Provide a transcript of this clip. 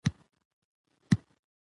لعل د افغانستان د سیاسي جغرافیه برخه ده.